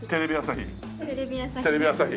テレビ朝日。